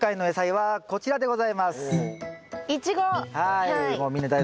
はい。